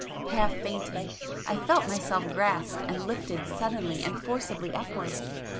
half fainting, I felt myself grasped and lifted suddenly and forcibly upwards